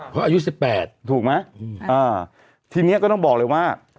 เพราะอายุสิบแปดถูกไหมทีนี้ก็ต้องบอกเลยว่า